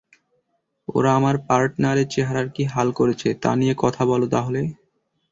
ওরা আমার পার্টনারের চেহারার কী হাল করেছে, তা নিয়ে কথা বলো তাহলে।